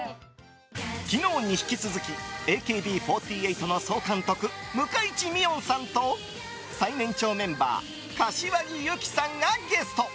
昨日に引き続きＡＫＢ４８の総監督向井地美音さんと最年長メンバー柏木由紀さんがゲスト。